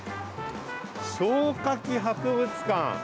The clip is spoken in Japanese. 消火器博物館。